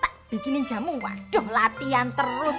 tak bikinin jamu waduh latihan terus